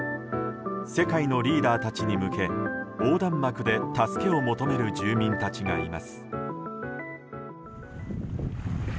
世界のリーダーたちに向け横断幕で助けを求める住民たちがいます。